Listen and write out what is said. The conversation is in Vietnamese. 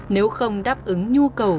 nếu không đáp ứng nhu cầu